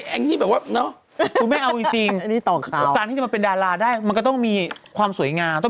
แองจีเชื่อแล้วว่าอยู่วงการมานาน